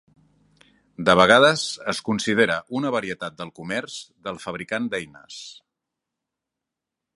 De vegades, es considera una varietat del comerç del fabricant d'eines.